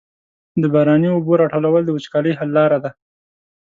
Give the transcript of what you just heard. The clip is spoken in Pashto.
د باراني اوبو راټولول د وچکالۍ حل لاره ده.